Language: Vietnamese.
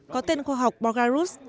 có tên khoa học borgarus